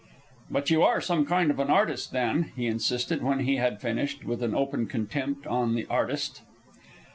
"But you are some kind of an artist, then," he insisted when he had finished, with an open contempt on the "artist."